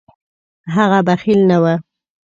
هغه بخیل نه و.